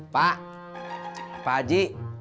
pak pak haji